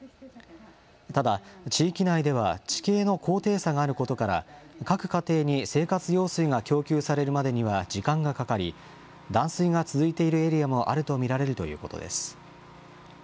ただ、地域内では、地形の高低差があることから、各家庭に生活用水が供給されるまでには時間がかかり、断水が続いているエリアもあると見られるということです。